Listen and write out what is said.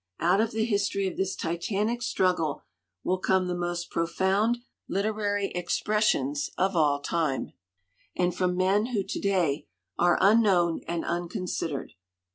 Out of the history of this titanic struggle will come the most profound literary expressions of all time, and from men who to day are un known and unconsidered."